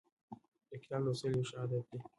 د کتاب لوستل یو ښه عادت دی.